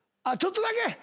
あっちょっとだけ？